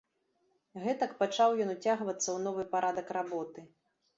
Гэтак пачаў ён уцягвацца ў новы парадак работы.